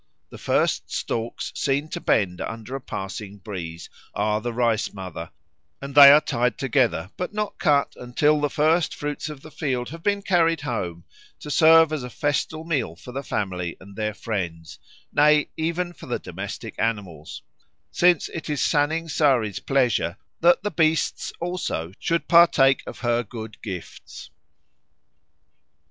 The first stalks seen to bend under a passing breeze are the Rice mother, and they are tied together but not cut until the first fruits of the field have been carried home to serve as a festal meal for the family and their friends, nay even for the domestic animals; since it is Saning Sari's pleasure that the beasts also should partake of her good gifts.